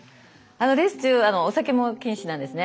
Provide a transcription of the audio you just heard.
レース中お酒も禁止なんですね。